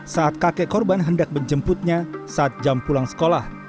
saat kakek korban hendak menjemputnya saat jam pulang sekolah